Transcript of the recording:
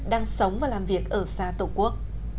đang sống và làm việc ở xa tổ quốc